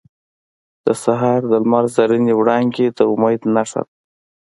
• د سهار د لمر زرینې وړانګې د امید نښه ده.